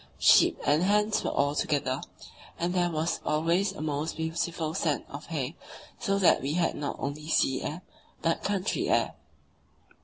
Sheep and hens were all together, and there was always a most beautiful scent of hay, so that we had not only sea air, but "country air."